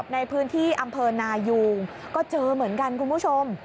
ในพื้นที่อำเภอนายูงก็เจอเหมือนกันคุณผู้ชม